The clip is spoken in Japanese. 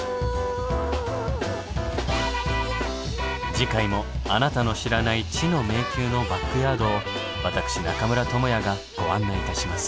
次回もあなたの知らない知の迷宮のバックヤードを私中村倫也がご案内いたします。